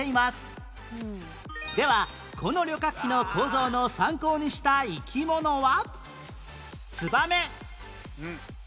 ではこの旅客機の構造の参考にした生き物は？